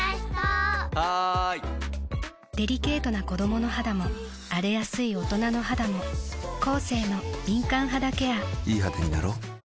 デリケートな子どもの肌も荒れやすい大人の肌もコーセーの「敏感肌ケア」いい肌になろう。